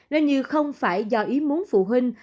nên như không phải do ý muốn phụ huynh